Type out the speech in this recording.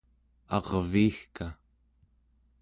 arviigka